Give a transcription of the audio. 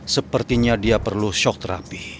sepertinya dia perlu shock therapy